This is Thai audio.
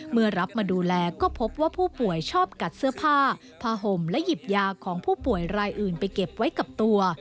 เมื่อรับมาดูแลก็พบว่าผู้ป่วยชอบกัดเสื้อผ้าผ้าห่มและหยิบยาของผู้ป่วยรายอื่นไปเก็บไว้กับตัว